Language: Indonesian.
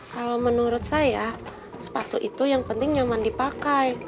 kalau menurut saya sepatu itu yang penting nyaman dipakai